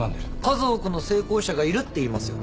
数多くの成功者がいるっていいますよね。